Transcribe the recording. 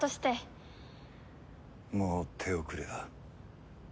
もう手遅れだ。